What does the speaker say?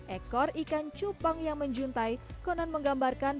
ekor ikan cupang yang menjuntai konon menggambarkan